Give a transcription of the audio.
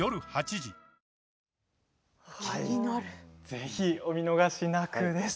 ぜひ、お見逃しなく。